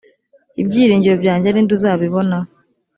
ibyiringiro byanjye ni nde uzabibona?